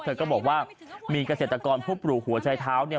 เธอก็บอกว่ามีเกษตรกรผู้ปลูกหัวชายเท้าเนี่ย